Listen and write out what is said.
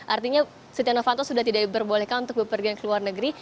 artinya setia novanto sudah tidak diperbolehkan untuk berpergian ke luar negeri